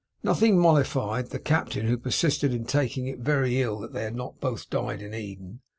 Nothing mollified the Captain, who persisted in taking it very ill that they had not both died in Eden.